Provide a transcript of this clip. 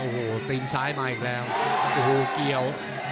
โอ้โหตีนซ้ายมาอีกแล้วโอ้โหเกี่ยว